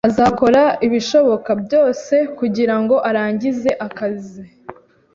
Azakora ibishoboka byose kugirango arangize akazi